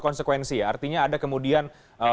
konsekuensi ya artinya ada kemudian